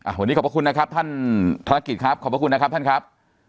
วันนี้ขอบพระคุณนะครับท่านธนกิจครับขอบพระคุณนะครับท่านครับ